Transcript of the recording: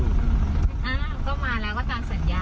อ๋อก็มาแล้วก็ตามสัญญาค่ะตามสัญญา